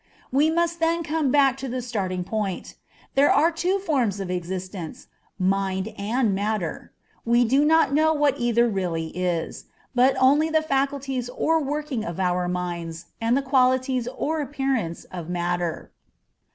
We must then come back to the starting point there are two forms of existence, mind and matter. We do not know what either really is, but only the faculties or working of our minds, and the qualities or appearance of matter.